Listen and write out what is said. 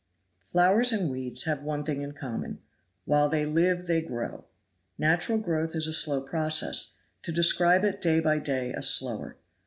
Flowers and weeds have one thing in common while they live they grow. Natural growth is a slow process, to describe it day by day a slower.